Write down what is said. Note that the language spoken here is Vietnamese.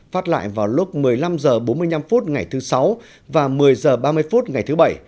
phát lại vào lúc một mươi năm h bốn mươi năm ngày thứ sáu và một mươi h ba mươi phút ngày thứ bảy